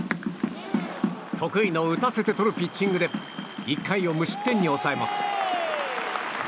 得意の打たせてとるピッチングで１回を無失点に抑えます。